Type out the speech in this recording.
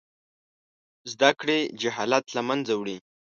زده کړې جهالت له منځه وړي.